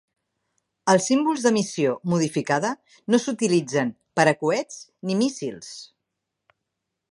Els símbols de missió modificada no s'utilitzen per a coets ni míssils.